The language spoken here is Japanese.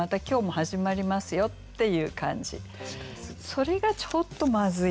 それがちょっとまずいですね。